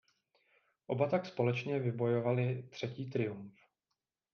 Oba tak společně vybojovali třetí triumf.